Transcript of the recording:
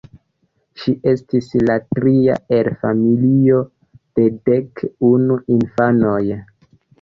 Ŝi estis la tria el familio de dek unu infanoj.